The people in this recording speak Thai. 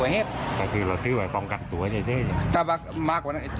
รถน้ำรถขมากกว่านั้น